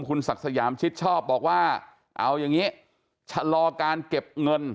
คุณศักดิ์สยามชิดชอบบอกว่าเอาอย่างนี้ชะลอการเก็บเงิน